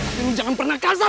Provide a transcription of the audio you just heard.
tapi lu jangan pernah kasar